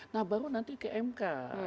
nah baru nanti ke mk